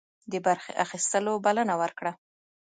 د برخي اخیستلو بلنه ورکړه.